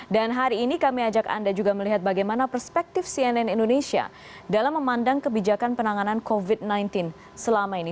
dan hari ini kami ajak anda juga melihat bagaimana perspektif cnn indonesia dalam memandang kebijakan penanganan covid sembilan belas selama ini